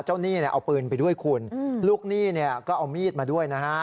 เจ้าหนี้เอาปืนไปด้วยคุณลูกหนี้ก็เอามีดมาด้วยนะฮะ